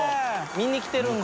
見に来てるんだ。